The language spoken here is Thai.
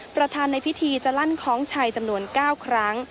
ประธานในพิธีจะลั่นคล้องชัยจำนวน๙ครั้ง